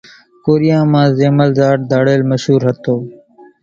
ڪوريان مان زيمل زاٽ ڌاڙيل مشُور هتو۔